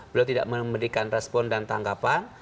beliau tidak memberikan respon dan tanggapan